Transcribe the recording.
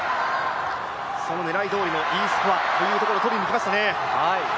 その狙いどおりのＥスコアを取りにいきましたね。